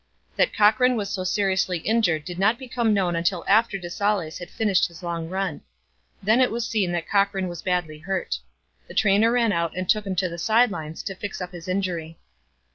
That Cochran was so seriously injured did not become known until after de Saulles had finished his long run. Then it was seen that Cochran was badly hurt. The trainer ran out and took him to the side lines to fix up his injury.